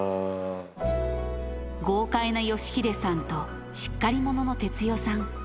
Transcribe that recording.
豪快な良英さんと、しっかり者の哲代さん。